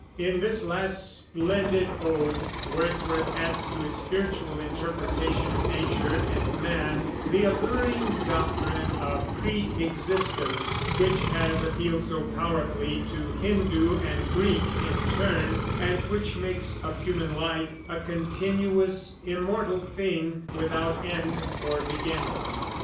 In this last splendid ode Wordsworth adds to his spiritual interpretation of nature and man the alluring doctrine of preëxistence, which has appealed so powerfully to Hindoo and Greek in turn, and which makes of human life a continuous, immortal thing, without end or beginning.